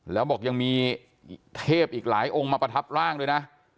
แล้วบอกยังมีเทพอีกหลายองค์มาประทับร่างด้วยนะ